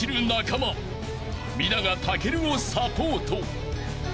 ［皆がたけるをサポート］